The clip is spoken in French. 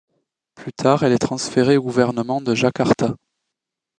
Plus tard, elle est transférée au gouvernement de Jakarta.